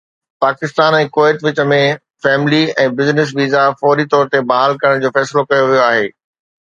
Pakistan ۽ Kuwait وچ ۾ family ۽ business visa فوري طور تي بحال ڪرڻ جو فيصلو ڪيو ويو آهي